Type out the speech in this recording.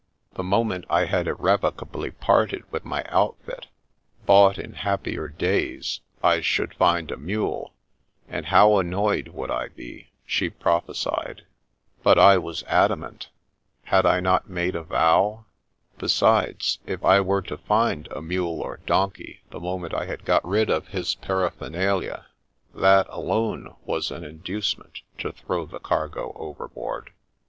The moment I had irrevocably parted with my outfit, bought in happier days, I should find a mule, and how annoyed would I be, she prophesied. But I was adamant. Had I not made a vow? Besides, if I were to find a mule or donkey the moment I had got rid of his paraphernalia, that alone was an inducement to throw the cargo overboard.